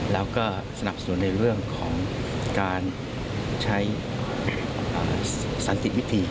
แล้วก็สนับสนุนในเรื่องของการใช้สันติวิธี